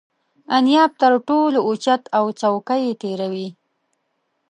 انیاب تر ټولو اوچت او څوکه یې تیره وي.